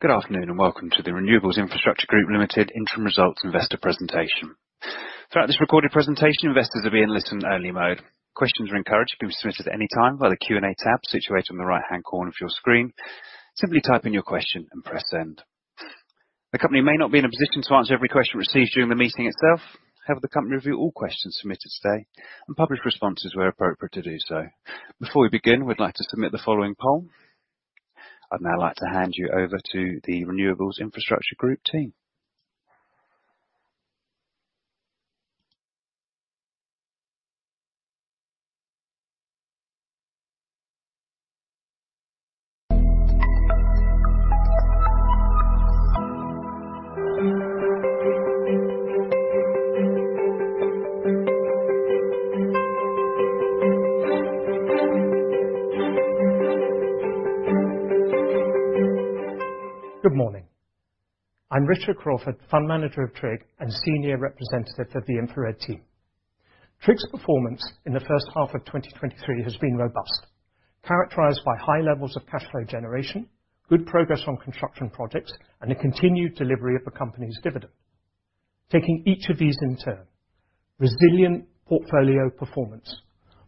Good afternoon, and welcome to The Renewables Infrastructure Group Limited Interim Results Investor Presentation. Throughout this recorded presentation, investors will be in listen-only mode. Questions are encouraged to be submitted at any time via the Q&A tab situated on the right-hand corner of your screen. Simply type in your question and press Send. The company may not be in a position to answer every question received during the meeting itself. However, the company will review all questions submitted today and publish responses where appropriate to do so. Before we begin, we'd like to submit the following poll. I'd now like to hand you over to The Renewables Infrastructure Group team. Good morning. I'm Richard Crawford, Fund Manager of TRIG and Senior Representative of the InfraRed team. TRIG's performance in the first half of 2023 has been robust, characterized by high levels of cash flow generation, good progress on construction projects, and a continued delivery of the company's dividend. Taking each of these in turn. Resilient portfolio performance.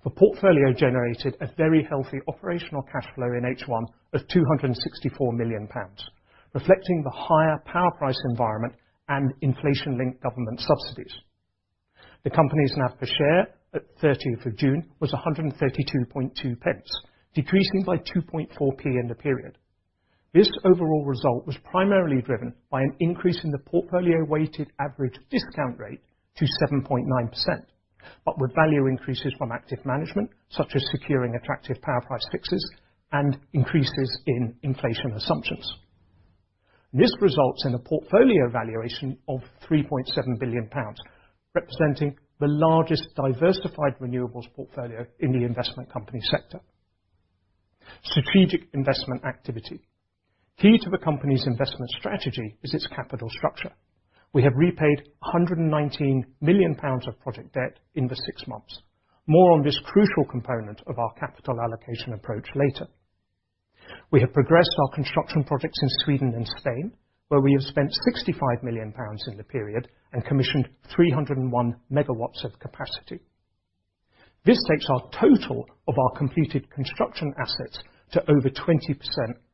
The portfolio generated a very healthy operational cash flow in H1 of 264 million pounds, reflecting the higher power price environment and inflation-linked government subsidies. The company's NAV per share at 13th of June was 132.2 pence, decreasing by 2.4p in the period. This overall result was primarily driven by an increase in the portfolio weighted average discount rate to 7.9%, upward value increases from active management, such as securing attractive power price fixes and increases in inflation assumptions. This results in a portfolio valuation of 3.7 billion pounds, representing the largest diversified renewables portfolio in the investment company sector. Strategic investment activity. Key to the company's investment strategy is its capital structure. We have repaid 119 million pounds of project debt in the 6 months. More on this crucial component of our capital allocation approach later. We have progressed our construction projects in Sweden and Spain, where we have spent 65 million pounds in the period and commissioned 301 megawatts of capacity. This takes our total of our completed construction assets to over 20%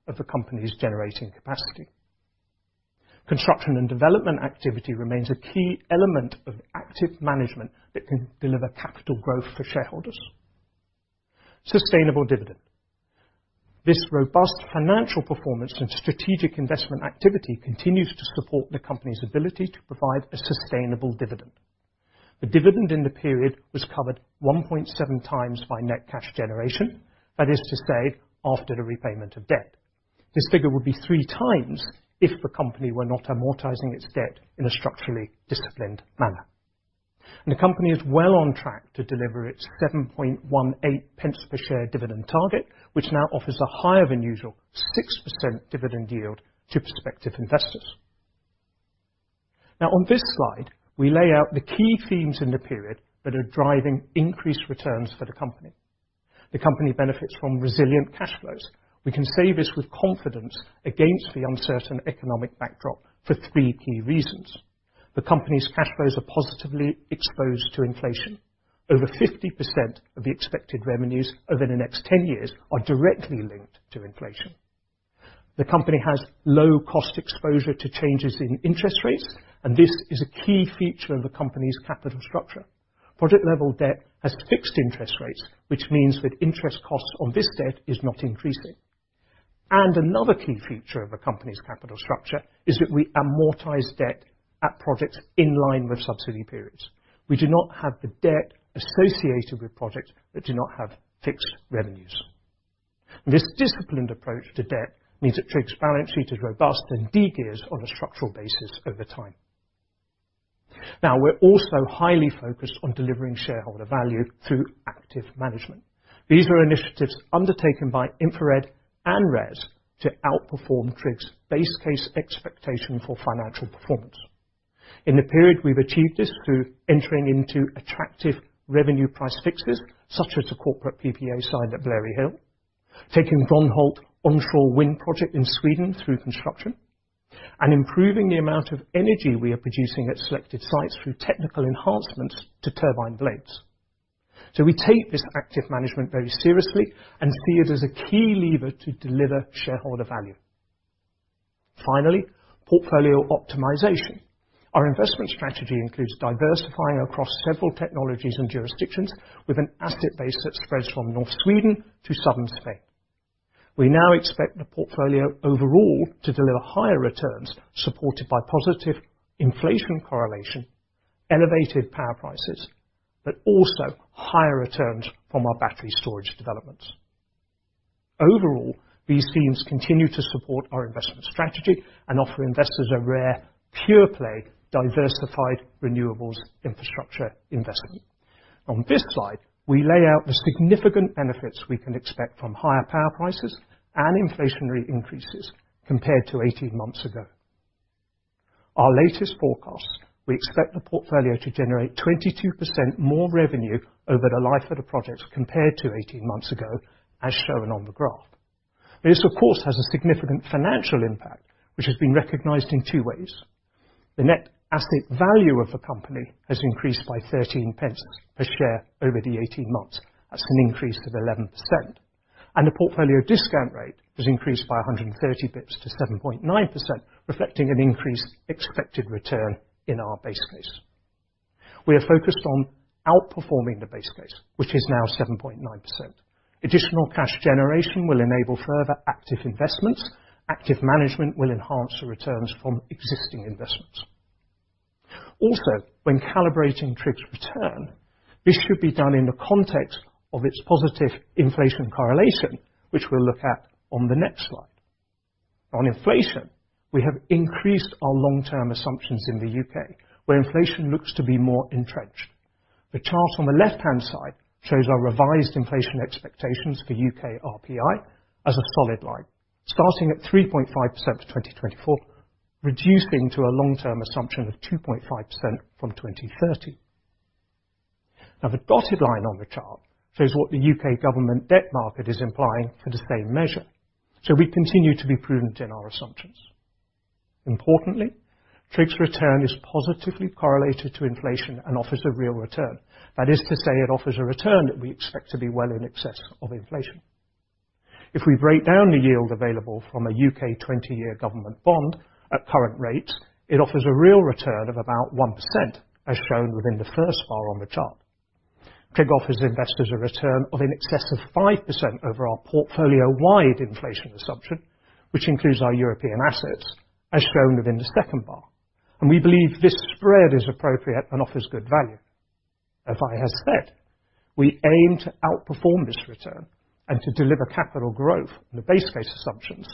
of the company's generating capacity. Construction and development activity remains a key element of active management that can deliver capital growth for shareholders. Sustainable dividend. This robust financial performance and strategic investment activity continues to support the company's ability to provide a sustainable dividend. The dividend in the period was covered 1.7 times by net cash generation, that is to say, after the repayment of debt. This figure would be 3 times if the company were not amortizing its debt in a structurally disciplined manner. The company is well on track to deliver its 7.18 pence per share dividend target, which now offers a higher than usual 6% dividend yield to prospective investors. Now, on this slide, we lay out the key themes in the period that are driving increased returns for the company. The company benefits from resilient cash flows. We can say this with confidence against the uncertain economic backdrop for three key reasons. The company's cash flows are positively exposed to inflation. Over 50% of the expected revenues over the next 10 years are directly linked to inflation. The company has low cost exposure to changes in interest rates, and this is a key feature of the company's capital structure. Project level debt has fixed interest rates, which means that interest costs on this debt is not increasing. Another key feature of a company's capital structure is that we amortize debt at projects in line with subsidy periods. We do not have the debt associated with projects that do not have fixed revenues. This disciplined approach to debt means that TRIG's balance sheet is robust and de-gears on a structural basis over time. We're also highly focused on delivering shareholder value through active management. These are initiatives undertaken by InfraRed and RES to outperform TRIG's base case expectation for financial performance. In the period, we've achieved this through entering into attractive revenue price fixes, such as the corporate PPA signed at Blary Hill, taking Gronhult onshore wind project in Sweden through construction, and improving the amount of energy we are producing at selected sites through technical enhancements to turbine blades. We take this active management very seriously and see it as a key lever to deliver shareholder value. Finally, portfolio optimization. Our investment strategy includes diversifying across several technologies and jurisdictions with an asset base that spreads from North Sweden to Southern Spain. We now expect the portfolio overall to deliver higher returns, supported by positive inflation correlation, elevated power prices, but also higher returns from our battery storage developments. Overall, these themes continue to support our investment strategy and offer investors a rare, pure play, diversified renewables infrastructure investment. On this slide, we lay out the significant benefits we can expect from higher power prices and inflationary increases compared to 18 months ago.... Our latest forecast, we expect the portfolio to generate 22% more revenue over the life of the project compared to 18 months ago, as shown on the graph. This, of course, has a significant financial impact, which has been recognized in two ways. The net asset value of the company has increased by 13 pence per share over the 18 months. That's an increase of 11%, and the portfolio discount rate has increased by 130 BPS to 7.9%, reflecting an increased expected return in our base case. We are focused on outperforming the base case, which is now 7.9%. Additional cash generation will enable further active investments. Active management will enhance the returns from existing investments. When calibrating TRIG's return, this should be done in the context of its positive inflation correlation, which we'll look at on the next slide. On inflation, we have increased our long-term assumptions in the UK, where inflation looks to be more entrenched. The chart on the left-hand side shows our revised inflation expectations for UK RPI as a solid line, starting at 3.5% for 2024, reducing to a long-term assumption of 2.5% from 2030. The dotted line on the chart shows what the UK government debt market is implying for the same measure. We continue to be prudent in our assumptions. Importantly, TRIG's return is positively correlated to inflation and offers a real return. That is to say, it offers a return that we expect to be well in excess of inflation. If we break down the yield available from a UK 20-year government bond at current rates, it offers a real return of about 1%, as shown within the first bar on the chart. TRIG offers investors a return of in excess of 5% over our portfolio-wide inflation assumption, which includes our European assets, as shown within the second bar, and we believe this spread is appropriate and offers good value. As I have said, we aim to outperform this return and to deliver capital growth in the base case assumptions,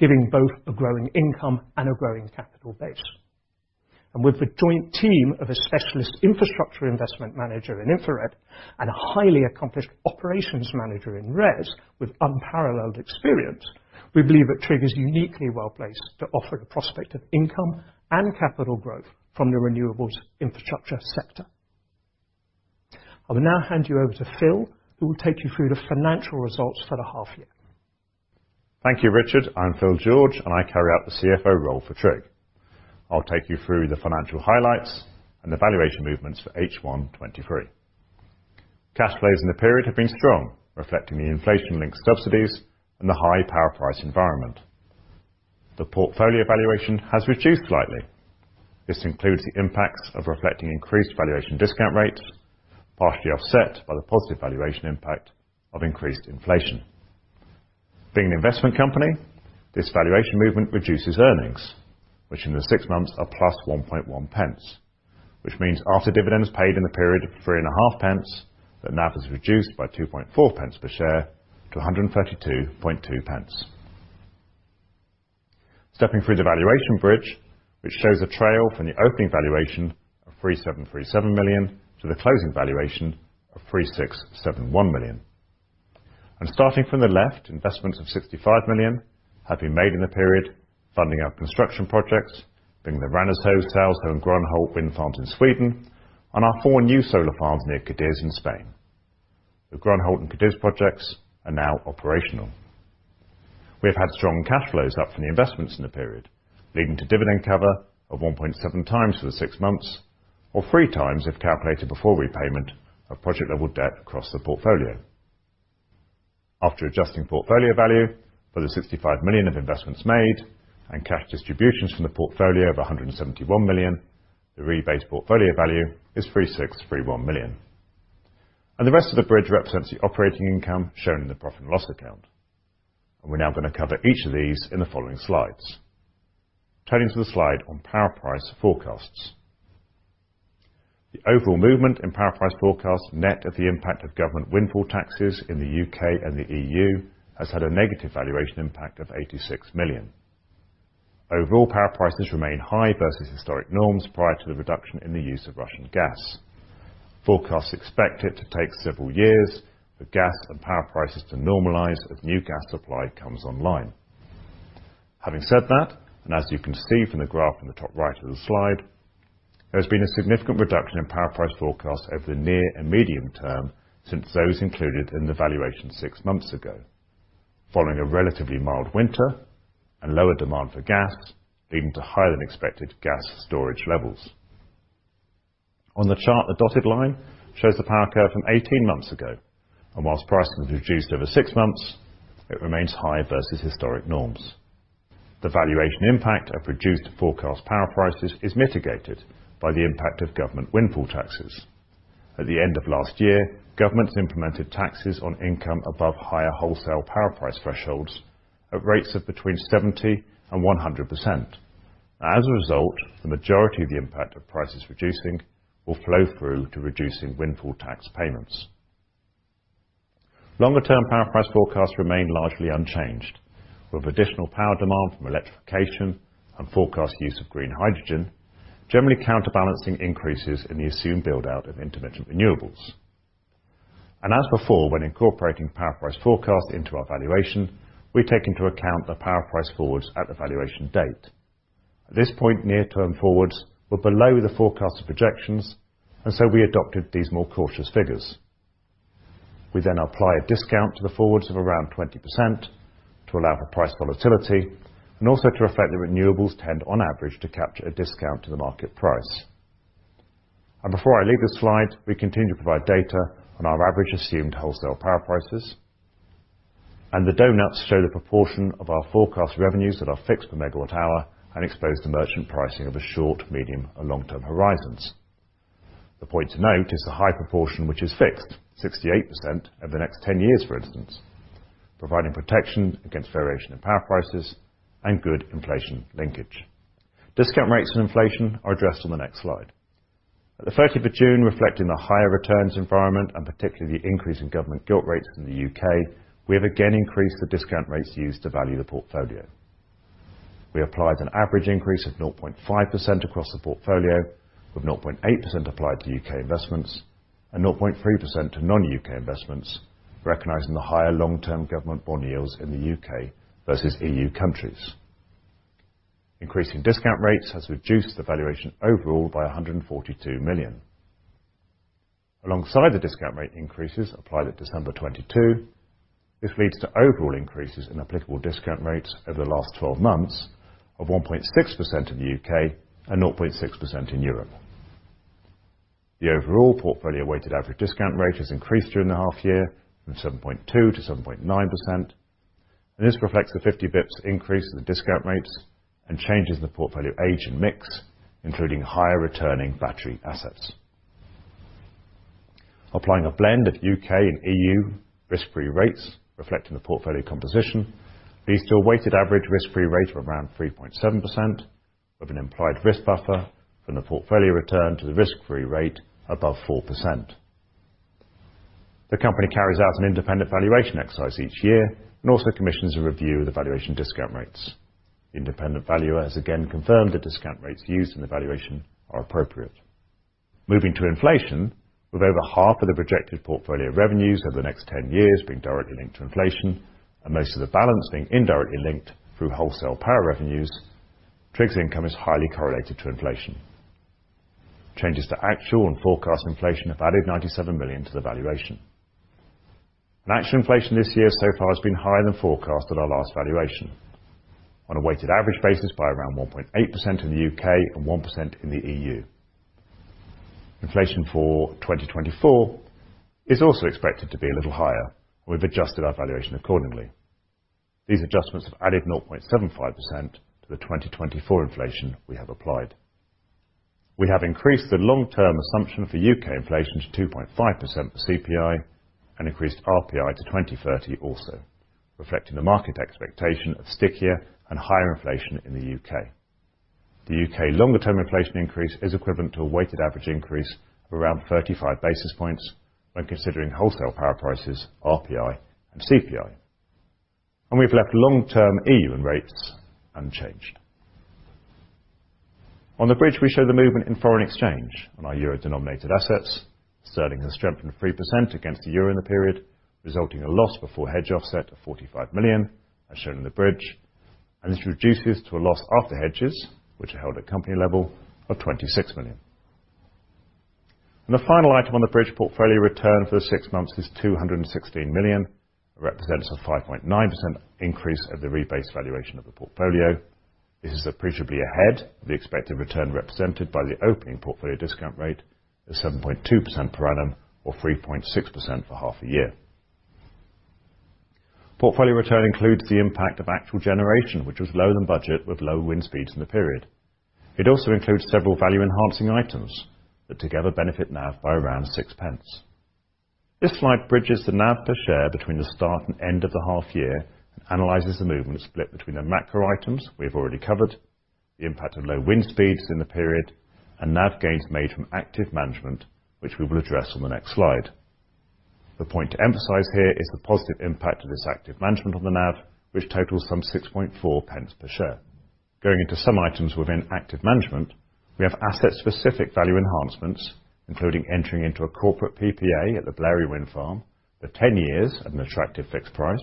giving both a growing income and a growing capital base. With the joint team of a specialist infrastructure investment manager in InfraRed and a highly accomplished operations manager in RES, with unparalleled experience, we believe that TRIG is uniquely well-placed to offer the prospect of income and capital growth from the renewables infrastructure sector. I will now hand you over to Phil, who will take you through the financial results for the half year. Thank you, Richard. I'm Phil George, and I carry out the CFO role for TRIG. I'll take you through the financial highlights and the valuation movements for H1 2023. Cash flows in the period have been strong, reflecting the inflation-linked subsidies and the high power price environment. The portfolio valuation has reduced slightly. This includes the impacts of reflecting increased valuation discount rates, partially offset by the positive valuation impact of increased inflation. Being an investment company, this valuation movement reduces earnings, which in the 6 months are +0.011, which means after dividends paid in the period of 0.035, the NAV is reduced by 0.024 per share to 1.322. Stepping through the valuation bridge, which shows a trail from the opening valuation of 3,737 million to the closing valuation of 3,671 million. Starting from the left, investments of 65 million have been made in the period, funding our construction projects, bringing the Varna hotels and Grönhult wind farms in Sweden, and our four new solar farms near Cadiz in Spain. The Grönhult and Cadiz projects are now operational. We have had strong cash flows up from the investments in the period, leading to dividend cover of 1.7 times for the 6 months, or 3 times if calculated before repayment of project level debt across the portfolio. After adjusting portfolio value for the 65 million of investments made and cash distributions from the portfolio of 171 million, the rebased portfolio value is 3,631 million. The rest of the bridge represents the operating income shown in the profit and loss account, and we're now going to cover each of these in the following slides. Turning to the slide on power price forecasts. The overall movement in power price forecasts, net of the impact of government windfall taxes in the U.K. and the E.U., has had a negative valuation impact of 86 million. Overall, power prices remain high versus historic norms prior to the reduction in the use of Russian gas. Forecasts expect it to take several years for gas and power prices to normalize as new gas supply comes online. Having said that, as you can see from the graph in the top right of the slide, there's been a significant reduction in power price forecasts over the near and medium term since those included in the valuation 6 months ago, following a relatively mild winter and lower demand for gas, leading to higher-than-expected gas storage levels. On the chart, the dotted line shows the power curve from 18 months ago, whilst prices have reduced over 6 months, it remains high versus historic norms. The valuation impact of reduced forecast power prices is mitigated by the impact of government windfall taxes. At the end of last year, governments implemented taxes on income above higher wholesale power price thresholds at rates of between 70% and 100%. As a result, the majority of the impact of prices reducing will flow through to reducing windfall tax payments. Longer-term power price forecasts remain largely unchanged, with additional power demand from electrification and forecast use of green hydrogen generally counterbalancing increases in the assumed build-out of intermittent renewables. As before, when incorporating power price forecast into our valuation, we take into account the power price forwards at the valuation date. At this point, near-term forwards were below the forecast projections, and so we adopted these more cautious figures. We then apply a discount to the forwards of around 20% to allow for price volatility, and also to reflect that renewables tend, on average, to capture a discount to the market price. Before I leave this slide, we continue to provide data on our average assumed wholesale power prices. The doughnuts show the proportion of our forecast revenues that are fixed per megawatt hour and exposed to merchant pricing over short, medium, and long-term horizons. The point to note is the high proportion, which is fixed, 68% over the next 10 years, for instance, providing protection against variation in power prices and good inflation linkage. Discount rates and inflation are addressed on the next slide. At the 30 of June, reflecting the higher returns environment, and particularly the increase in government gilt rates in the UK, we have again increased the discount rates used to value the portfolio. We applied an average increase of 0.5% across the portfolio, with 0.8% applied to UK investments and 0.3% to non-UK investments, recognizing the higher long-term government bond yields in the UK versus EU countries. Increasing discount rates has reduced the valuation overall by 142 million. Alongside the discount rate increases applied at December 2022, this leads to overall increases in applicable discount rates over the last 12 months of 1.6% in the UK and 0.6% in Europe. The overall portfolio weighted average discount rate has increased during the half year from 7.2%-7.9%, and this reflects the 50 bits increase in the discount rates and changes in the portfolio age and mix, including higher returning battery assets. Applying a blend of UK and EU risk-free rates, reflecting the portfolio composition, leads to a weighted average risk-free rate of around 3.7%, with an implied risk buffer from the portfolio return to the risk-free rate above 4%. The company carries out an independent valuation exercise each year and also commissions a review of the valuation discount rates. The independent valuer has again confirmed the discount rates used in the valuation are appropriate. Moving to inflation, with over half of the projected portfolio revenues over the next 10 years being directly linked to inflation, and most of the balance being indirectly linked through wholesale power revenues, TRIG's income is highly correlated to inflation. Changes to actual and forecast inflation have added 97 million to the valuation. Actual inflation this year so far has been higher than forecasted at our last valuation. On a weighted average basis by around 1.8% in the UK and 1% in the EU. Inflation for 2024 is also expected to be a little higher. We've adjusted our valuation accordingly. These adjustments have added 0.75% to the 2024 inflation we have applied. We have increased the long-term assumption for UK inflation to 2.5% for CPI and increased RPI to 2030 also, reflecting the market expectation of stickier and higher inflation in the UK. The UK longer-term inflation increase is equivalent to a weighted average increase of around 35 basis points when considering wholesale power prices, RPI and CPI. We've left long-term EU and rates unchanged. On the bridge, we show the movement in foreign exchange on our euro-denominated assets. Sterling has strengthened 3% against the euro in the period, resulting in a loss before hedge offset of 45 million, as shown in the bridge, and this reduces to a loss after hedges, which are held at company level, of 26 million. The final item on the bridge portfolio return for the six months is 216 million, represents a 5.9% increase over the rebased valuation of the portfolio. This is appreciably ahead of the expected return, represented by the opening portfolio discount rate of 7.2% per annum or 3.6% for half a year. Portfolio return includes the impact of actual generation, which was lower than budget, with lower wind speeds in the period. It also includes several value-enhancing items that together benefit NAV by around 0.06. This slide bridges the NAV per share between the start and end of the half year and analyzes the movement split between the macro items we've already covered, the impact of low wind speeds in the period, and NAV gains made from active management, which we will address on the next slide. The point to emphasize here is the positive impact of this active management on the NAV, which totals some 6.4 pence per share. Going into some items within active management, we have asset-specific value enhancements, including entering into a corporate PPA at the Blary Hill Wind Farm for 10 years at an attractive fixed price.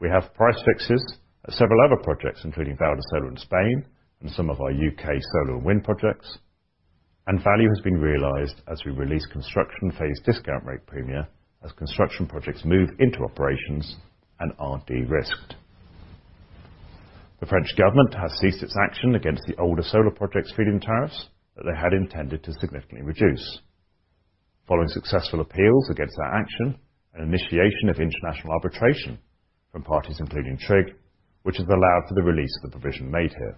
We have price fixes at several other projects, including Valder Solar in Spain and some of our UK solar and wind projects, and value has been realized as we release construction phase discount rate premia, as construction projects move into operations and are de-risked. The French government has ceased its action against the older solar projects feed-in tariffs that they had intended to significantly reduce. Following successful appeals against that action and initiation of international arbitration from parties including TRIG, which has allowed for the release of the provision made here.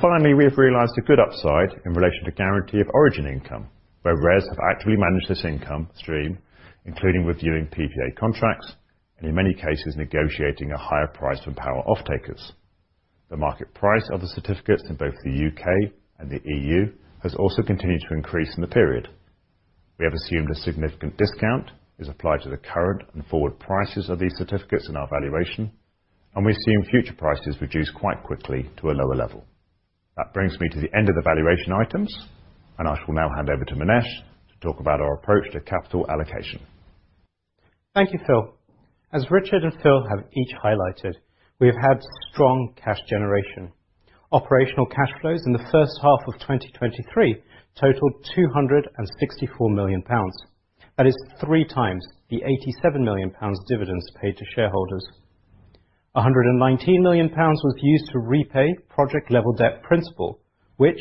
Finally, we have realized a good upside in relation to Guarantee of Origin income, where RES have actively managed this income stream, including reviewing PPA contracts and in many cases, negotiating a higher price from power offtakers. The market price of the certificates in both the UK and the EU has also continued to increase in the period. We have assumed a significant discount is applied to the current and forward prices of these certificates in our valuation, and we assume future prices reduce quite quickly to a lower level. That brings me to the end of the valuation items, and I shall now hand over to Minesh to talk about our approach to capital allocation. Thank you, Phil. As Richard and Phil have each highlighted, we have had strong cash generation. Operational cash flows in the first half of 2023 totaled 264 million pounds. That is 3 times the 87 million pounds dividends paid to shareholders. 119 million pounds was used to repay project level debt principal, which,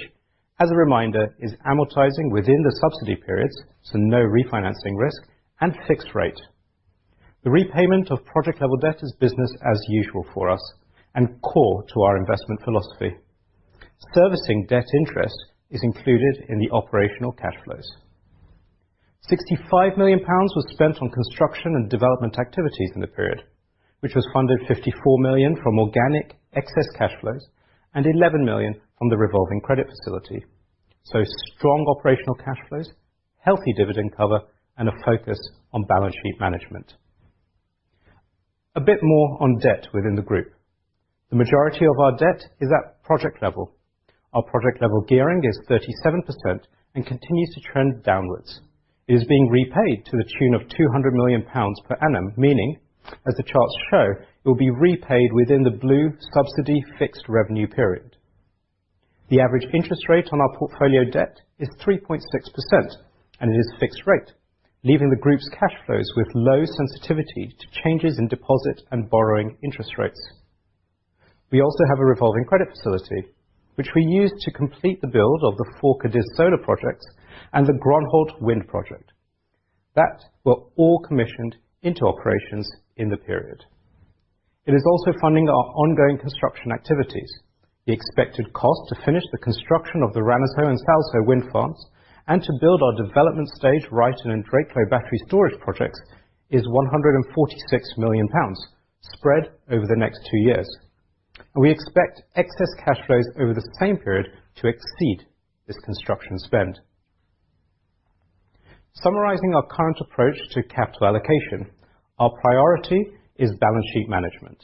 as a reminder, is amortizing within the subsidy periods, so no refinancing risk and fixed rate. The repayment of project level debt is business as usual for us and core to our investment philosophy. Servicing debt interest is included in the operational cash flows. 65 million pounds was spent on construction and development activities in the period, which was funded 54 million from organic excess cash flows and 11 million from the revolving credit facility. Strong operational cash flows, healthy dividend cover, and a focus on balance sheet management. A bit more on debt within the group. The majority of our debt is at project level. Our project level gearing is 37% and continues to trend downwards. It is being repaid to the tune of 200 million pounds per annum, meaning, as the charts show, it will be repaid within the blue subsidy fixed revenue period. The average interest rate on our portfolio debt is 3.6%, and it is fixed rate, leaving the group's cash flows with low sensitivity to changes in deposit and borrowing interest rates. We also have a revolving credit facility, which we use to complete the build of the four Cadiz solar projects and the Gronholt Wind project. That were all commissioned into operations in the period. It is also funding our ongoing construction activities. The expected cost to finish the construction of the Ranniso and Salsj�� wind farms, and to build our development stage, Ryton and Drakelow battery storage projects, is 146 million pounds, spread over the next two years. We expect excess cash flows over the same period to exceed this construction spend. Summarizing our current approach to capital allocation, our priority is balance sheet management.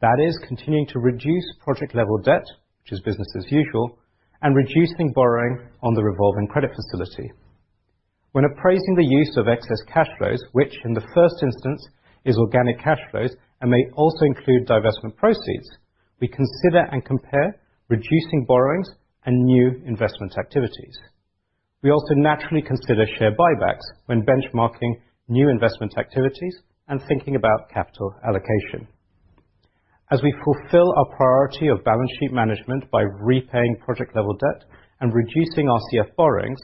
That is, continuing to reduce project level debt, which is business as usual, and reducing borrowing on the revolving credit facility. When appraising the use of excess cash flows, which in the first instance is organic cash flows and may also include divestment proceeds, we consider and compare reducing borrowings and new investment activities. We also naturally consider share buybacks when benchmarking new investment activities and thinking about capital allocation. As we fulfill our priority of balance sheet management by repaying project level debt and reducing our CF borrowings,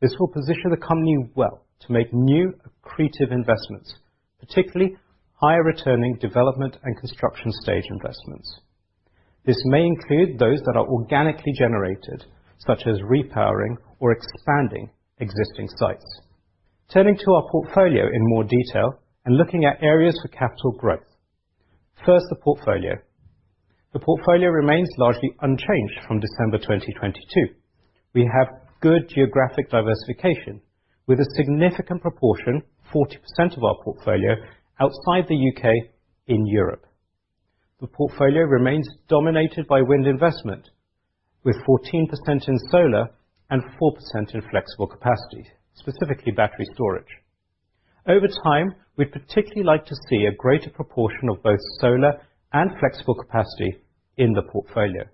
this will position the company well to make new, accretive investments, particularly higher returning development and construction stage investments. This may include those that are organically generated, such as repowering or expanding existing sites. Turning to our portfolio in more detail and looking at areas for capital growth. First, the portfolio. The portfolio remains largely unchanged from December 2022. We have good geographic diversification, with a significant proportion, 40% of our portfolio, outside the UK in Europe. The portfolio remains dominated by wind investment, with 14% in solar and 4% in flexible capacity, specifically battery storage. Over time, we'd particularly like to see a greater proportion of both solar and flexible capacity in the portfolio.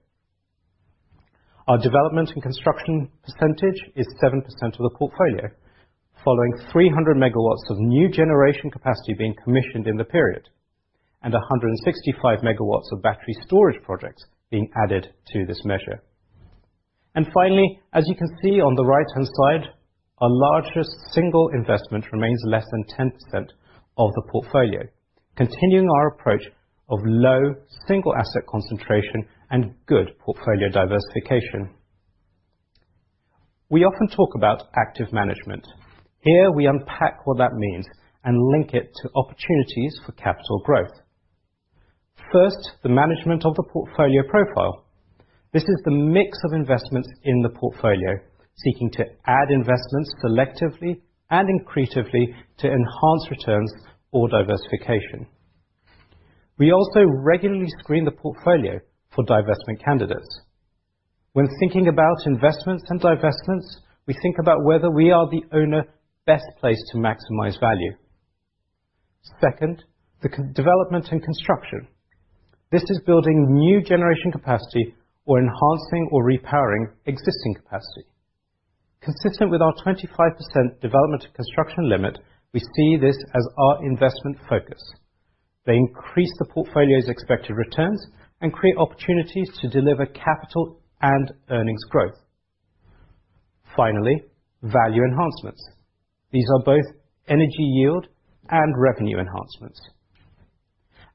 Our development and construction percentage is 7% of the portfolio, following 300 megawatts of new generation capacity being commissioned in the period, and 165 megawatts of battery storage projects being added to this measure. Finally, as you can see on the right-hand side, our largest single investment remains less than 10% of the portfolio, continuing our approach of low single asset concentration and good portfolio diversification. We often talk about active management. Here, we unpack what that means and link it to opportunities for capital growth. First, the management of the portfolio profile. This is the mix of investments in the portfolio, seeking to add investments selectively and increasingly to enhance returns or diversification. We also regularly screen the portfolio for divestment candidates. When thinking about investments and divestments, we think about whether we are the owner best placed to maximize value. Second, development and construction. This is building new generation capacity or enhancing or repowering existing capacity. Consistent with our 25% development and construction limit, we see this as our investment focus. They increase the portfolio's expected returns and create opportunities to deliver capital and earnings growth. Finally, value enhancements. These are both energy yield and revenue enhancements.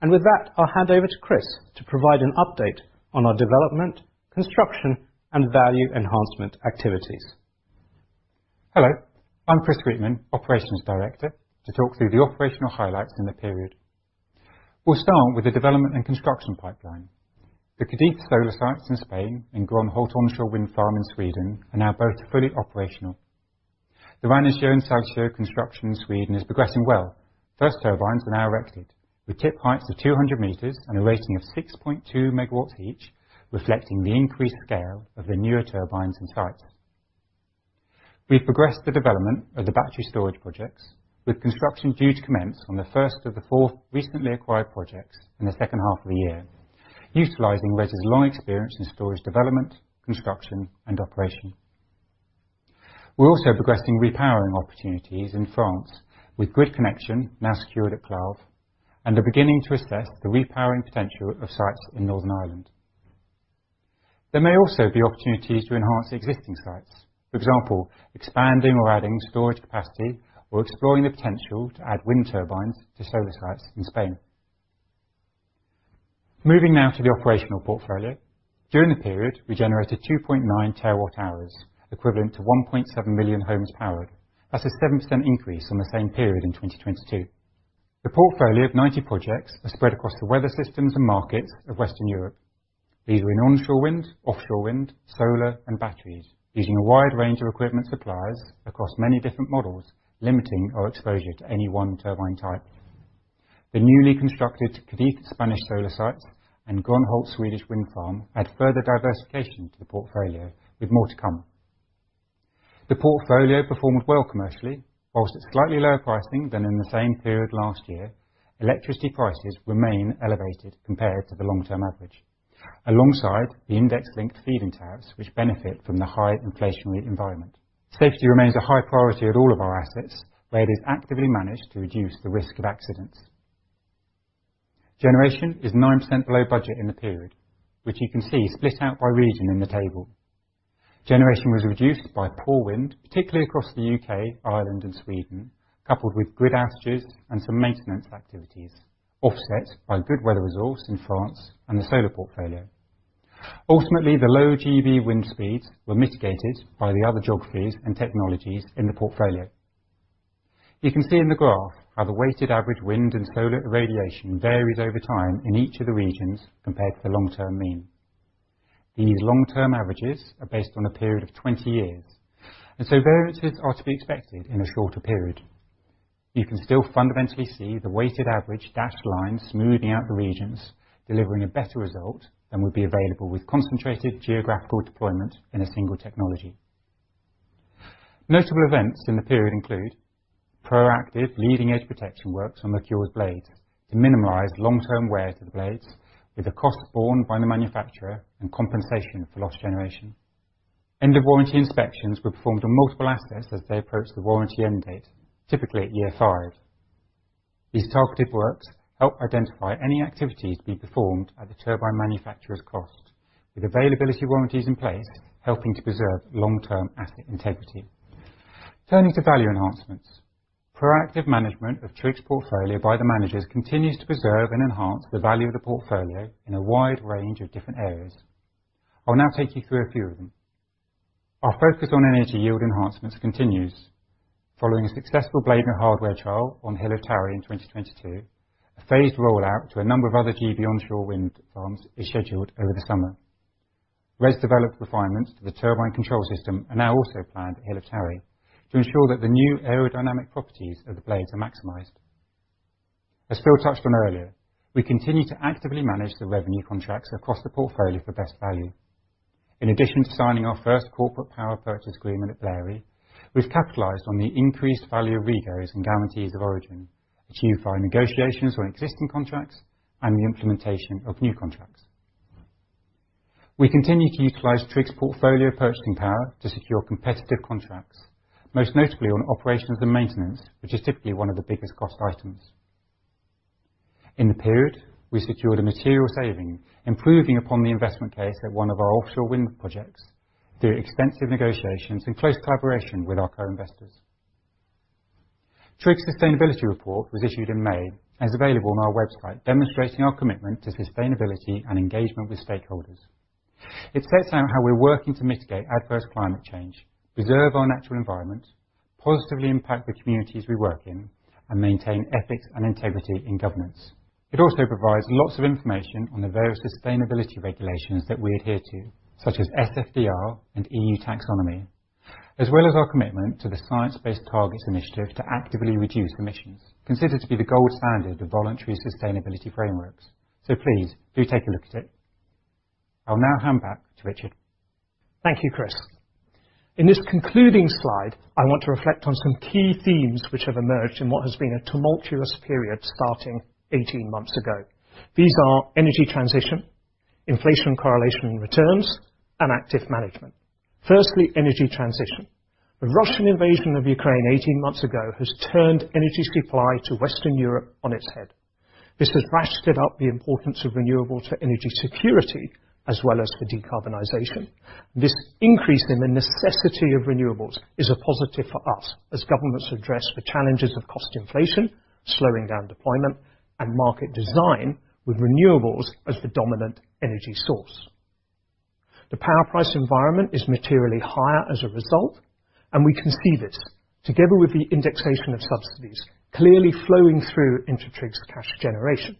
With that, I'll hand over to Chris to provide an update on our development, construction, and value enhancement activities. Hello, I'm Chris Sweetman, Operations Director, to talk through the operational highlights in the period. We'll start with the development and construction pipeline. The Cadiz solar sites in Spain and Gr��nhult onshore wind farm in Sweden are now both fully operational. The Ranasjö and Salsjö construction in Sweden is progressing well. First turbines are now erected, with tip heights of 200 meters and a rating of 6.2 megawatts each, reflecting the increased scale of the newer turbines and sites. We've progressed the development of the battery storage projects, with construction due to commence on the first of the four recently acquired projects in the second half of the year, utilizing RES's long experience in storage, development, construction, and operation. We're also progressing repowering opportunities in France, with grid connection now secured at Clave, and are beginning to assess the repowering potential of sites in Northern Ireland. There may also be opportunities to enhance existing sites, for example, expanding or adding storage capacity, or exploring the potential to add wind turbines to solar sites in Spain. Moving now to the operational portfolio. During the period, we generated 2.9 terawatt-hours, equivalent to 1.7 million homes powered. That's a 7% increase from the same period in 2022. The portfolio of 90 projects are spread across the weather systems and markets of Western Europe. These are in onshore wind, offshore wind, solar, and batteries, using a wide range of equipment suppliers across many different models, limiting our exposure to any one turbine type. The newly constructed Cadiz Spanish solar sites and Gronholt Swedish wind farm add further diversification to the portfolio, with more to come. The portfolio performed well commercially. Whilst it's slightly lower pricing than in the same period last year, electricity prices remain elevated compared to the long-term average, alongside the index-linked feed-in tariffs, which benefit from the high inflationary environment. Safety remains a high priority at all of our assets, where it is actively managed to reduce the risk of accidents. Generation is 9% below budget in the period, which you can see split out by region in the table. Generation was reduced by poor wind, particularly across the UK, Ireland, and Sweden, coupled with grid outages and some maintenance activities, offset by good weather resource in France and the solar portfolio. Ultimately, the low GB wind speeds were mitigated by the other geographies and technologies in the portfolio. You can see in the graph how the weighted average wind and solar irradiation varies over time in each of the regions, compared to the long-term mean. These long-term averages are based on a period of 20 years, and so variances are to be expected in a shorter period. You can still fundamentally see the weighted average dashed line smoothing out the regions, delivering a better result than would be available with concentrated geographical deployment in a single technology. Notable events in the period include proactive leading-edge protection works on the Kåre's blades to minimalize long-term wear to the blades, with the cost borne by the manufacturer and compensation for lost generation. End of warranty inspections were performed on multiple assets as they approached the warranty end date, typically at year five. These targeted works help identify any activities to be performed at the turbine manufacturer's cost, with availability warranties in place, helping to preserve long-term asset integrity. Turning to value enhancements. Proactive management of TRIG's portfolio by the managers continues to preserve and enhance the value of the portfolio in a wide range of different areas. I'll now take you through a few of them. Our focus on energy yield enhancements continues. Following a successful blade and hardware trial on Hill of Towie in 2022, a phased rollout to a number of other GB onshore wind farms is scheduled over the summer. RES developed refinements to the turbine control system are now also planned at Hill of Towie to ensure that the new aerodynamic properties of the blades are maximized. As Phil touched on earlier, we continue to actively manage the revenue contracts across the portfolio for best value. In addition to signing our first corporate power purchase agreement at Blary Hill, we've capitalized on the increased value of REGOs and Guarantees of Origin, achieved by negotiations on existing contracts and the implementation of new contracts. We continue to utilize TRIG's portfolio purchasing power to secure competitive contracts, most notably on operations and maintenance, which is typically one of the biggest cost items. In the period, we secured a material saving, improving upon the investment case at one of our offshore wind projects, through extensive negotiations in close collaboration with our co-investors. TRIG's sustainability report was issued in May and is available on our website, demonstrating our commitment to sustainability and engagement with stakeholders. It sets out how we're working to mitigate adverse climate change, preserve our natural environment, positively impact the communities we work in, and maintain ethics and integrity in governance. It also provides lots of information on the various sustainability regulations that we adhere to, such as SFDR and EU Taxonomy, as well as our commitment to the Science Based Targets initiative to actively reduce emissions, considered to be the gold standard of voluntary sustainability frameworks. Please, do take a look at it. I’ll now hand back to Richard. Thank you, Chris. In this concluding slide, I want to reflect on some key themes which have emerged in what has been a tumultuous period, starting 18 months ago. These are energy transition, inflation correlation and returns, and active management. Firstly, energy transition. The Russian invasion of Ukraine 18 months ago has turned energy supply to Western Europe on its head. This has ratcheted up the importance of renewable to energy security, as well as for decarbonization. This increase in the necessity of renewables is a positive for us as governments address the challenges of cost inflation, slowing down deployment, and market design, with renewables as the dominant energy source. The power price environment is materially higher as a result, and we can see this, together with the indexation of subsidies, clearly flowing through into TRIG's cash generation....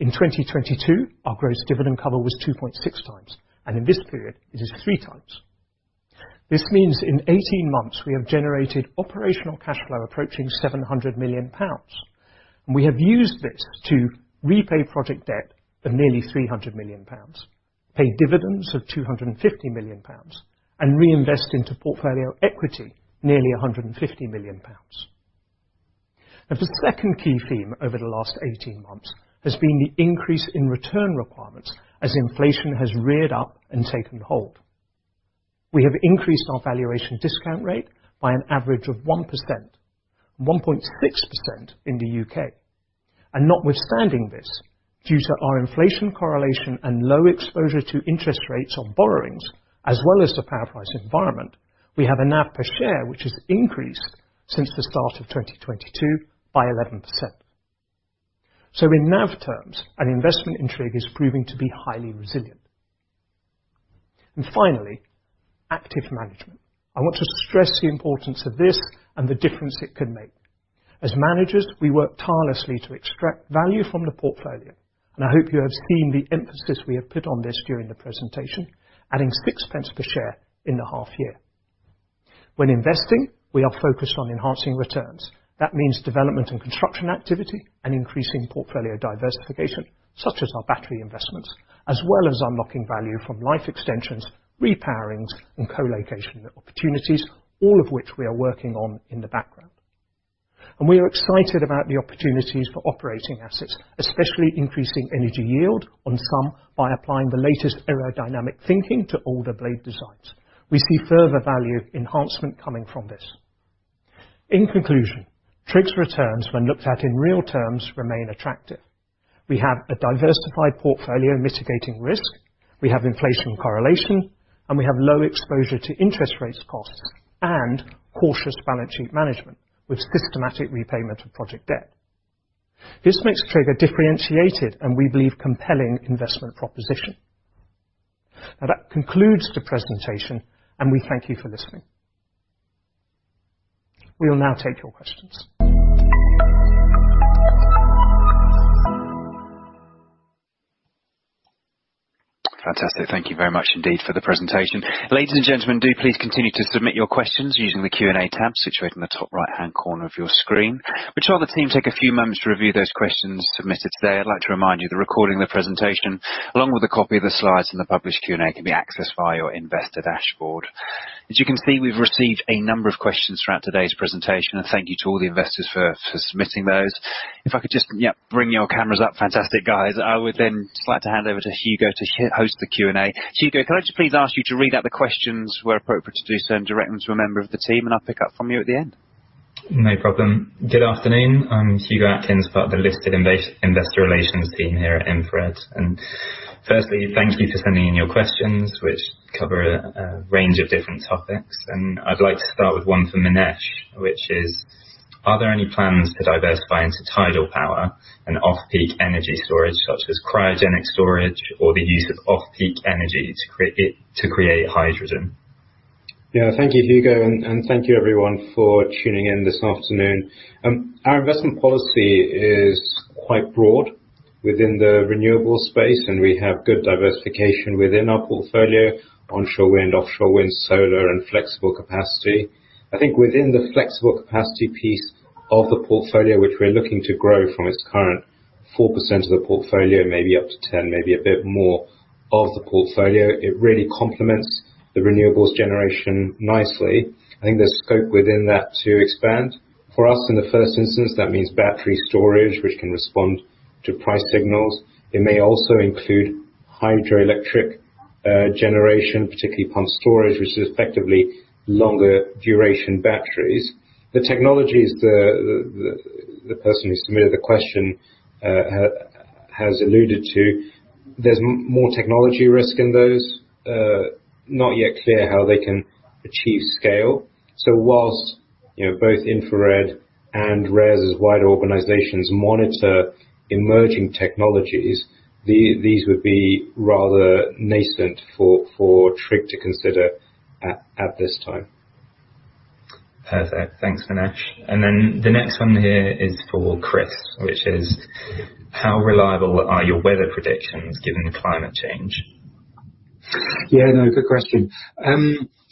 In 2022, our gross dividend cover was 2.6 times, and in this period, it is 3 times. This means in 18 months, we have generated operational cash flow approaching 700 million pounds, and we have used this to repay project debt of nearly 300 million pounds, pay dividends of 250 million pounds, and reinvest into portfolio equity, nearly 150 million pounds. Now, the second key theme over the last 18 months has been the increase in return requirements as inflation has reared up and taken hold. We have increased our valuation discount rate by an average of 1%, 1.6% in the U.K. Notwithstanding this, due to our inflation correlation and low exposure to interest rates on borrowings, as well as the power price environment, we have a NAV per share, which has increased since the start of 2022 by 11%. In NAV terms, an investment in TRIG is proving to be highly resilient. Finally, active management. I want to stress the importance of this and the difference it can make. As managers, we work tirelessly to extract value from the portfolio, and I hope you have seen the emphasis we have put on this during the presentation, adding 0.06 per share in the half year. When investing, we are focused on enhancing returns. That means development and construction activity and increasing portfolio diversification, such as our battery investments, as well as unlocking value from life extensions, repowerings, and co-location opportunities, all of which we are working on in the background. We are excited about the opportunities for operating assets, especially increasing energy yield on some by applying the latest aerodynamic thinking to older blade designs. We see further value enhancement coming from this. In conclusion, TRIG's returns, when looked at in real terms, remain attractive. We have a diversified portfolio mitigating risk, we have inflation correlation, and we have low exposure to interest rates, costs, and cautious balance sheet management with systematic repayment of project debt. This makes TRIG a differentiated, and we believe, compelling investment proposition. Now, that concludes the presentation, and we thank you for listening. We will now take your questions. Fantastic. Thank you very much indeed for the presentation. Ladies and gentlemen, do please continue to submit your questions using the Q&A tab situated in the top right-hand corner of your screen. While the team take a few moments to review those questions submitted today, I'd like to remind you the recording of the presentation, along with a copy of the slides and the published Q&A, can be accessed via your investor dashboard. As you can see, we've received a number of questions throughout today's presentation. Thank you to all the investors for submitting those. If I could just, yep, bring your cameras up. Fantastic, guys. I would then just like to hand over to Hugo to host the Q&A. Hugo, could I just please ask you to read out the questions, where appropriate, to do so, and direct them to a member of the team, and I'll pick up from you at the end? No problem. Good afternoon. I'm Hugo Atkins, part of the listed investor relations team here at InfraRed. Firstly, thank you for sending in your questions, which cover a range of different topics. I'd like to start with one for Minesh, which is: Are there any plans to diversify into tidal power and off-peak energy storage, such as cryogenic storage or the use of off-peak energy to create hydrogen? Yeah. Thank you, Hugo, and thank you everyone for tuning in this afternoon. Our investment policy is quite broad within the renewable space, and we have good diversification within our portfolio, onshore wind, offshore wind, solar, and flexible capacity. I think within the flexible capacity piece of the portfolio, which we're looking to grow from its current 4% of the portfolio, maybe up to 10, maybe a bit more of the portfolio, it really complements the renewables generation nicely. I think there's scope within that to expand. For us, in the first instance, that means battery storage, which can respond to price signals. It may also include hydroelectric generation, particularly pumped storage, which is effectively longer duration batteries. The technologies the, the, the, the person who submitted the question has alluded to, there's more technology risk in those, not yet clear how they can achieve scale. Whilst, you know, both InfraRed and RES's wider organizations monitor emerging technologies, these would be rather nascent for, for TRIG to consider at, at this time. Perfect. Thanks, Minesh. Then the next one here is for Chris, which is: How reliable are your weather predictions, given the climate change? Yeah, no, good question.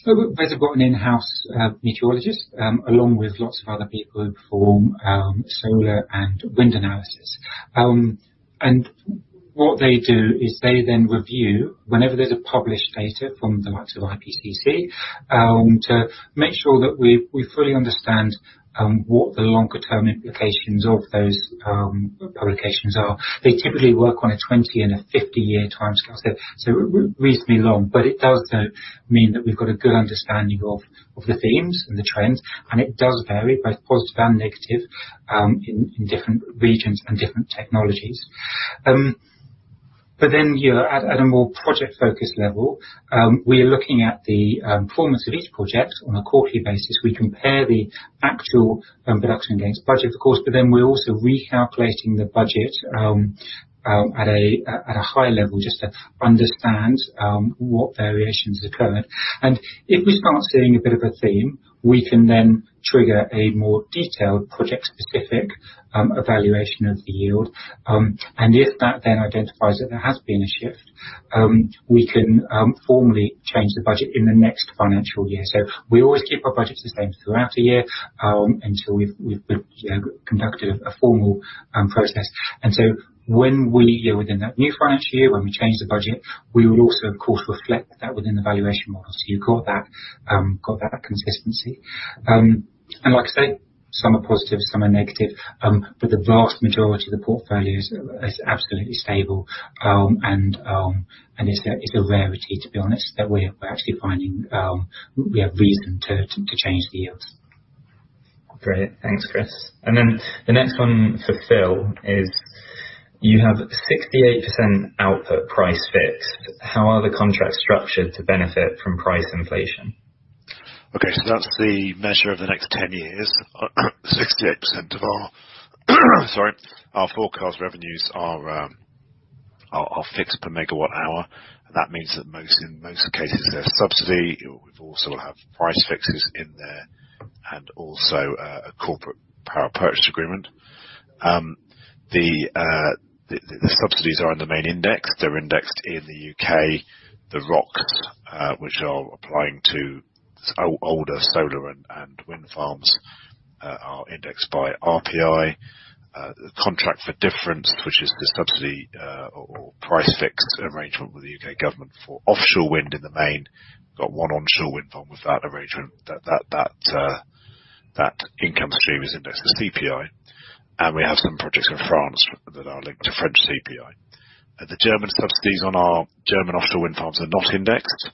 We've also got an in-house meteorologist, along with lots of other people who perform solar and wind analysis. What they do is they then review, whenever there's a published data from the likes of IPCC, to make sure that we fully understand what the longer term implications of those publications are. They typically work on a 20 and a 50-year timescale, so reasonably long, but it does, though, mean that we've got a good understanding of the themes and the trends, and it does vary, both positive and negative, in different regions and different technologies. ... You know, at, at a more project-focused level, we are looking at the performance of each project on a quarterly basis. We compare the actual production against budget, of course, but then we're also recalculating the budget at a high level, just to understand what variations occurred. If we start seeing a bit of a theme, we can then trigger a more detailed project-specific evaluation of the yield. If that then identifies that there has been a shift, we can formally change the budget in the next financial year. We always keep our budgets the same throughout the year, until we've, we've, you know, conducted a formal process. When we are within that new financial year, when we change the budget, we will also, of course, reflect that within the valuation model. You've got that, got that consistency. Like I say, some are positive, some are negative, but the vast majority of the portfolio is, is absolutely stable. It's a, it's a rarity, to be honest, that we're, we're actually finding, we have reason to, to change the yields. Great. Thanks, Chris. The next one for Phil is: You have 68% output price fixed. How are the contracts structured to benefit from price inflation? Okay, that's the measure of the next 10 years. 68% of our, sorry, our forecast revenues are fixed per megawatt hour. That means that in most cases, there's subsidy. We've also have price fixes in there, and also a corporate power purchase agreement. The subsidies are on the main index. They're indexed in the UK. The ROCs, which are applying to older solar and wind farms, are indexed by RPI. The Contract for Difference, which is the subsidy, or price fixed arrangement with the UK government for offshore wind in the main, got 1 onshore wind farm with that arrangement, that income stream is indexed to CPI. We have some projects in France that are linked to French CPI. The German subsidies on our German offshore wind farms are not indexed.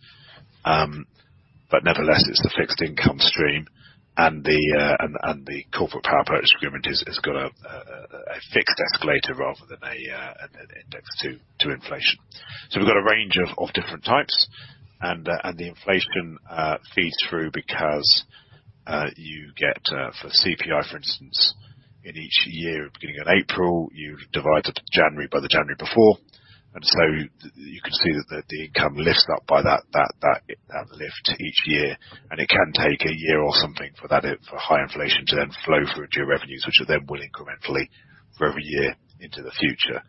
Nevertheless, it's a fixed income stream. The corporate power purchase agreement has got a fixed escalator rather than an index to inflation. We've got a range of different types. The inflation feeds through because you get for CPI, for instance, in each year, beginning in April, you divide the January by the January before. You can see that the income lifts up by that lift each year. It can take a year or something for that for high inflation to then flow through to your revenues, which are then will incrementally for every year into the future.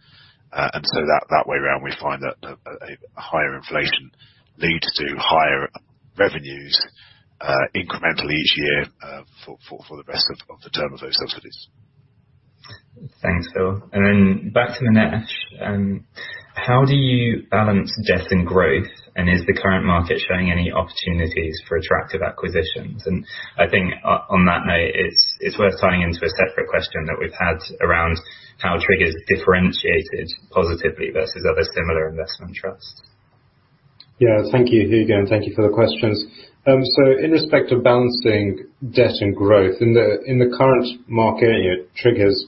So that, that way around, we find that a higher inflation leads to higher revenues, incrementally each year, for the rest of the term of those subsidies. Thanks, Phil. Then back to Minesh. How do you balance debt and growth, and is the current market showing any opportunities for attractive acquisitions? I think on that note, it's, it's worth tying into a separate question that we've had around how TRIG is differentiated positively versus other similar investment trusts. Yeah, thank you again, thank you for the questions. In respect to balancing debt and growth, in the current market, TRIG's,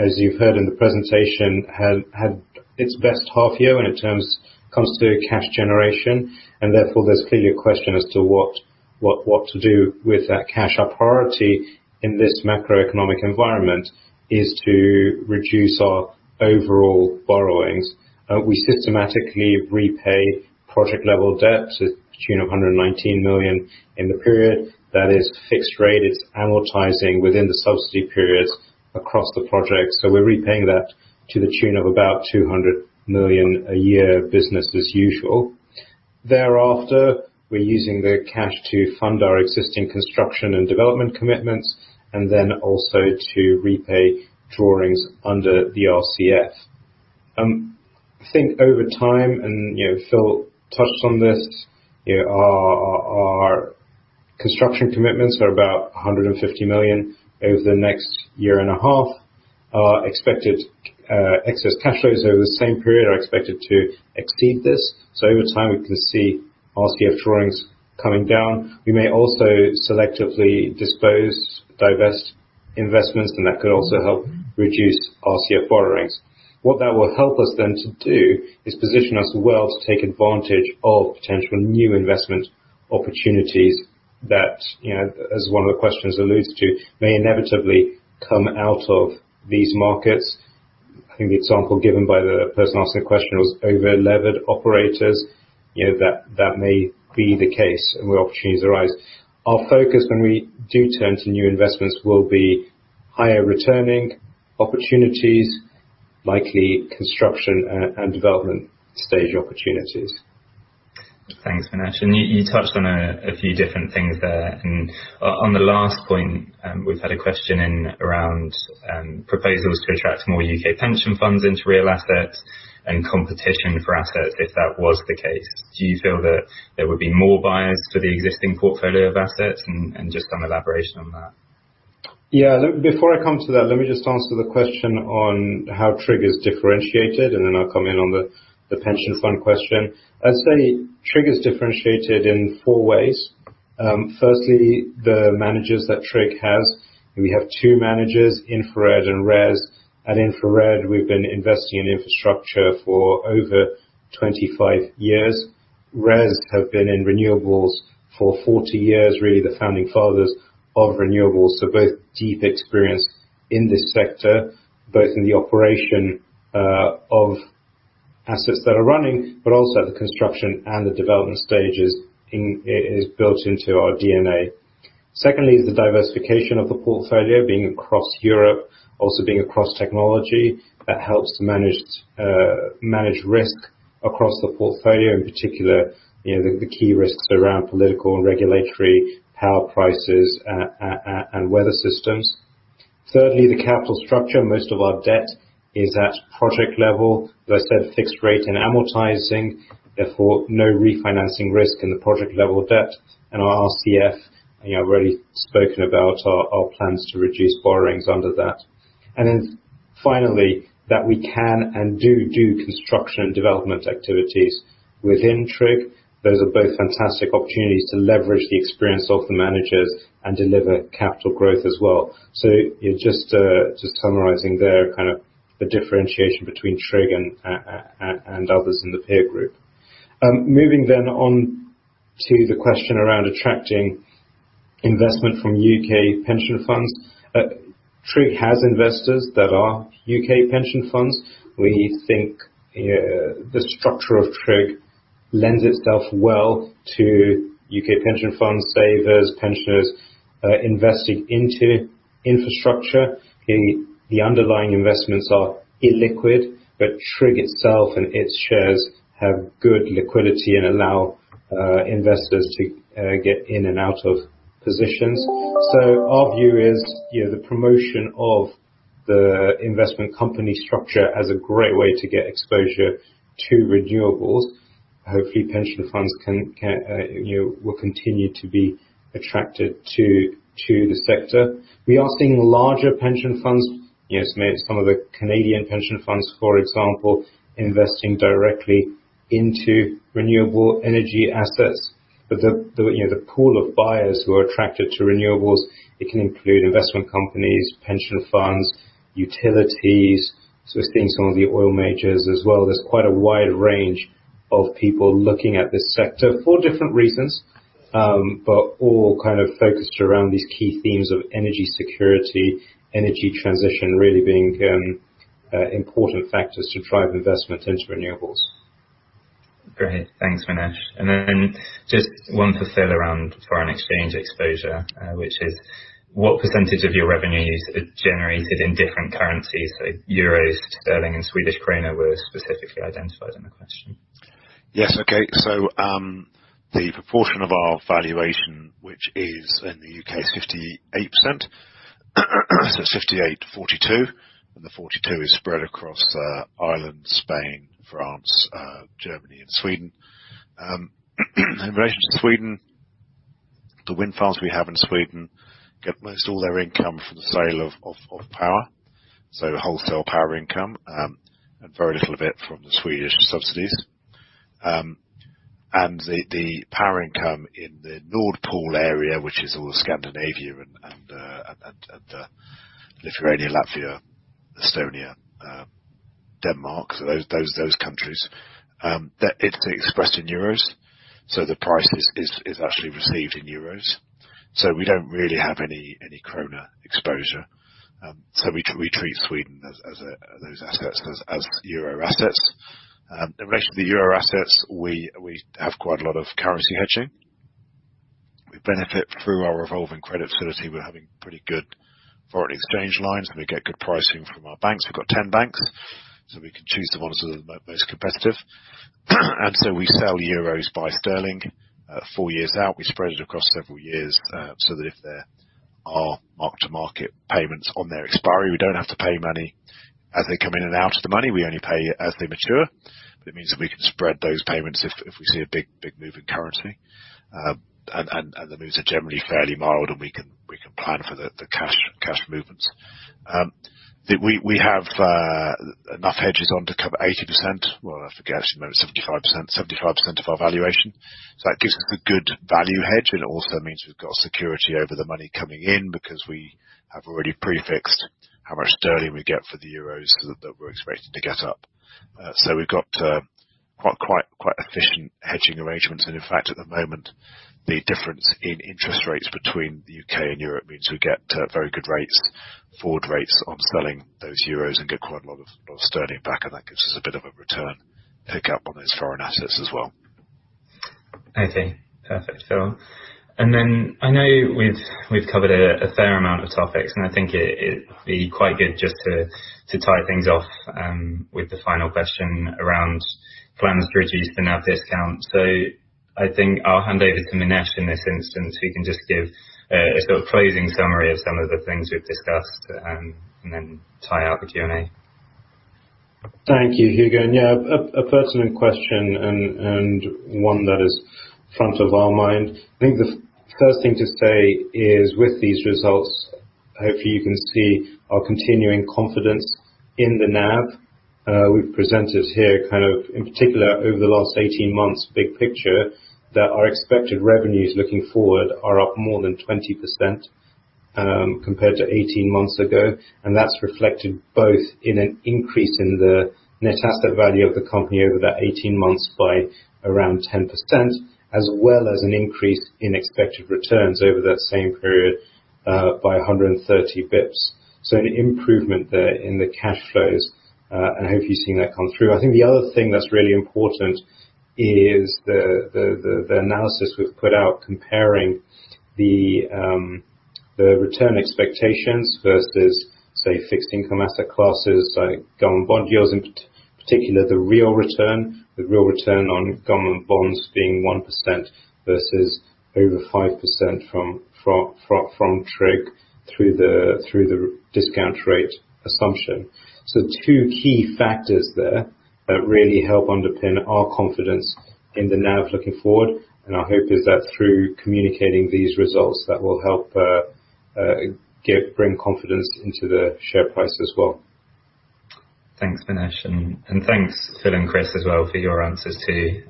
as you've heard in the presentation, had its best half year in terms-- comes to cash generation, and therefore, there's clearly a question as to what to do with that cash. Our priority in this macroeconomic environment is to reduce our overall borrowings. We systematically repay project-level debts to tune of 119 million in the period. That is fixed rate. It's amortizing within the subsidy periods across the project, so we're repaying that to the tune of about 200 million a year, business as usual. Thereafter, we're using the cash to fund our existing construction and development commitments, and also to repay drawings under the RCF. I think over time, and, you know, Phil touched on this, you know, our, our construction commitments are about 150 million over the next year and a half. Our expected excess cash flows over the same period are expected to exceed this, over time, we can see RCF drawings coming down. We may also selectively dispose, divest investments, that could also help reduce RCF borrowings. What that will help us then to do, is position us well to take advantage of potential new investment opportunities that, you know, as one of the questions alluded to, may inevitably come out of these markets. I think the example given by the person asking the question was over-levered operators. You know, that, that may be the case and where opportunities arise. Our focus when we do turn to new investments will be higher returning opportunities, likely construction and development stage opportunities. Thanks, Minesh. You, you touched on a few different things there. On the last point, we've had a question in around proposals to attract more UK pension funds into real assets and competition for assets, if that was the case. Do you feel that there would be more buyers for the existing portfolio of assets and, and just some elaboration on that? Yeah. Before I come to that, let me just answer the question on how TRIG's differentiated, and then I'll come in on the, the pension fund question. I'd say TRIG's differentiated in four ways. Firstly, the managers that TRIG has, we have two managers, InfraRed and RES. At InfraRed, we've been investing in infrastructure for over 25 years. RES have been in renewables for 40 years, really, the founding fathers of renewables. Both deep experience in this sector, both in the operation of assets that are running, but also the construction and the development stages is built into our DNA. Secondly, is the diversification of the portfolio being across Europe, also being across technology, that helps to manage manage risk across the portfolio. In particular, you know, the, the key risks around political and regulatory power prices, and weather systems. Thirdly, the capital structure. Most of our debt is at project level. As I said, fixed rate and amortizing, therefore, no refinancing risk in the project level debt. Our RCF, you know, I've already spoken about our plans to reduce borrowings under that. Then finally, that we can and do construction and development activities within TRIG. Those are both fantastic opportunities to leverage the experience of the managers and deliver capital growth as well. Yeah, just summarizing there, kind of the differentiation between TRIG and others in the peer group. Moving then on to the question around attracting investment from UK pension funds. TRIG has investors that are UK pension funds. We think the structure of TRIG lends itself well to UK pension funds, savers, pensioners, investing into infrastructure. The underlying investments are illiquid, but TRIG itself and its shares have good liquidity and allow investors to get in and out of positions. Our view is, you know, the promotion of the investment company structure as a great way to get exposure to renewables. Hopefully, pension funds can, you know, will continue to be attracted to the sector. We are seeing larger pension funds, you know, some of the Canadian pension funds, for example, investing directly into renewable energy assets. The, you know, the pool of buyers who are attracted to renewables, it can include investment companies, pension funds, utilities. We're seeing some of the oil majors as well. There's quite a wide range of people looking at this sector for different reasons, but all kind of focused around these key themes of energy security, energy transition, really being important factors to drive investment into renewables. Great! Thanks, Minesh. Then just one for Phil, around foreign exchange exposure, which is: What percentage of your revenues are generated in different currencies? So euros, sterling, and Swedish krona, were specifically identified in the question. Yes, okay. The proportion of our valuation, which is in the UK, is 58%. 58%-42%, and the 42% is spread across Ireland, Spain, France, Germany, and Sweden. In relation to Sweden, the wind farms we have in Sweden, get most of all their income from the sale of power, so wholesale power income, and very little of it from the Swedish subsidies. The power income in the Nord Pool area, which is all Scandinavia and Lithuania, Latvia, Estonia, Denmark, so those countries, that it's expressed in euros, so the price is actually received in euros. We don't really have any krona exposure. We treat Sweden as those assets, as euro assets. In relation to the euro assets, we, we have quite a lot of currency hedging. We benefit through our revolving credit facility. We're having pretty good foreign exchange lines, and we get good pricing from our banks. We've got 10 banks, so we can choose the ones that are most competitive. So we sell euros by sterling, 4 years out. We spread it across several years, so that if there are mark-to-market payments on their expiry, we don't have to pay money as they come in and out of the money. We only pay as they mature. It means that we can spread those payments if, if we see a big, big move in currency. And, and, and the moves are generally fairly mild, and we can, we can plan for the, the cash, cash movements. We, we have enough hedges on to cover 80%. Well, I forget, maybe 75%, 75% of our valuation. That gives us a good value hedge, but it also means we've got security over the money coming in, because we have already prefixed how much sterling we get for the euros that we're expecting to get up. We've got quite efficient hedging arrangements. In fact, at the moment, the difference in interest rates between the UK and Europe means we get very good rates, forward rates, on selling those euros and get quite a lot of sterling back, and that gives us a bit of a return hiccup on those foreign assets as well. Okay, perfect. I know we've, we've covered a, a fair amount of topics, and I think it, it'd be quite good just to, to tie things off with the final question around plans to reduce the net discount. I think I'll hand over to Minesh in this instance, who can just give a sort of closing summary of some of the things we've discussed and then tie up the Q&A. Thank you, Hugo. Yeah, a pertinent question and one that is front of our mind. I think the first thing to say, is with these results, hopefully, you can see our continuing confidence in the NAV. We've presented here, kind of, in particular, over the last 18 months, big picture, that our expected revenues looking forward are up more than 20% compared to 18 months ago. That's reflected both in an increase in the net asset value of the company over that 18 months by around 10%, as well as an increase in expected returns over that same period by 130 basis points. An improvement there in the cash flows, and I hope you've seen that come through. I think the other thing that's really important is the, the, the, the analysis we've put out comparing the, the return expectations versus, say, fixed income asset classes, like government bond yields, in particular, the real return, the real return on government bonds being 1% versus over 5% from, from, from, from TRIG, through the, through the discount rate assumption. Two key factors there that really help underpin our confidence in the NAV looking forward, and our hope is that through communicating these results, that will help bring confidence into the share price as well. Thanks, Minesh. Thanks, Phil and Chris, as well, for your answers, too.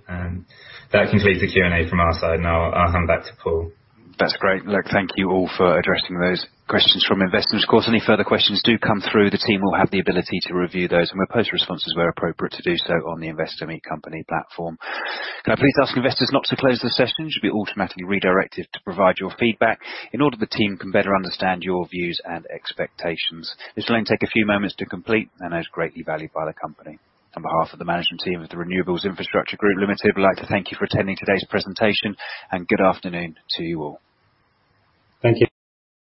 That completes the Q&A from our side. Now, I'll hand back to Paul. That's great. Look, thank you all for addressing those questions from investors. Of course, any further questions do come through, the team will have the ability to review those and we'll post responses where appropriate to do so on the InvestorMeetCompany platform. Can I please ask investors not to close the session? You should be automatically redirected to provide your feedback in order the team can better understand your views and expectations. This will only take a few moments to complete and is greatly valued by the company. On behalf of the management team of The Renewables Infrastructure Group Limited, we'd like to thank you for attending today's presentation, and good afternoon to you all. Thank you.